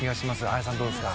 綾さんどうですか？